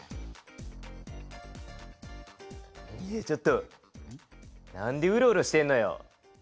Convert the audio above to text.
ちょっと何でウロウロしてんのよ。